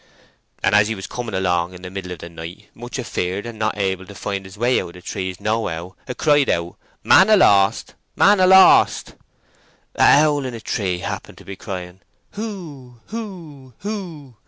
"And as he was coming along in the middle of the night, much afeared, and not able to find his way out of the trees nohow, 'a cried out, 'Man a lost! man a lost!' A owl in a tree happened to be crying 'Whoo whoo whoo!